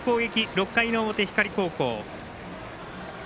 ６回の表、光高校。